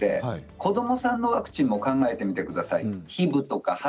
子どもさんのワクチンを考えてみてください。